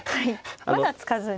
まだ突かずに。